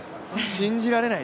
信じられない！